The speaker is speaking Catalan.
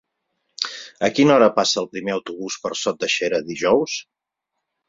A quina hora passa el primer autobús per Sot de Xera dijous?